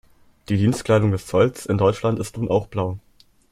Die Dienstkleidung des Zolls in Deutschland ist nun auch blau.